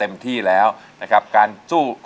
น้องปอนด์ร้องได้ให้ร้อง